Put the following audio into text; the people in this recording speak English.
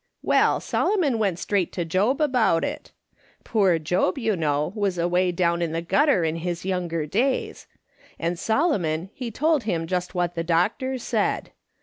Well, Solomon went straight to Job about it. Poor Job, you know, was away down in the gutter in his younger days ; and Solomon he told him just what the doctor said.